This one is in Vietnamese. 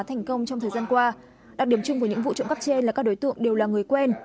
thành công trong thời gian qua đặc điểm chung của những vụ trộm cắp trên là các đối tượng đều là người quen